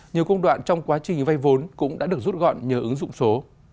nhiều công đoạn trong quá trình vay vốn cũng đã được rút gọn nhờ ứng dụng số